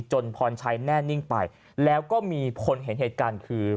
พรชัยแน่นิ่งไปแล้วก็มีคนเห็นเหตุการณ์คือ